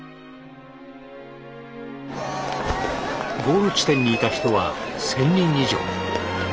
ゴール地点にいた人は１，０００人以上。